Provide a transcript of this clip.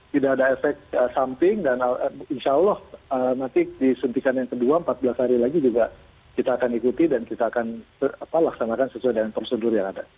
tidak ada efek samping dan insya allah nanti disuntikan yang kedua empat belas hari lagi juga kita akan ikuti dan kita akan laksanakan sesuai dengan prosedur yang ada